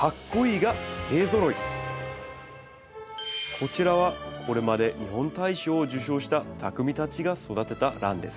こちらはこれまで日本大賞を受賞した匠たちが育てたランです。